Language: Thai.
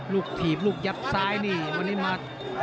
ถีบลูกยับซ้ายนี่วันนี้มา